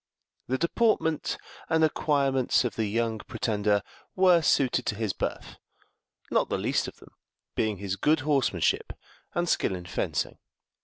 The deportment and acquirements of the young pretender were suited to his birth, not the least of them being his good horsemanship and skill in fencing.